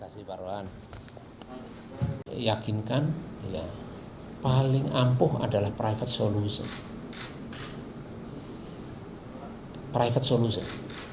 saya yakin kan paling ampuh adalah private solution